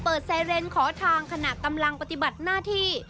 ไซเรนขอทางขณะกำลังปฏิบัติหน้าที่